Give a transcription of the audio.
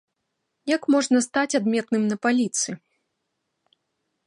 Як можна стаць адметным на паліцы.